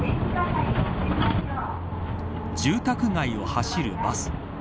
住宅街を走るバス。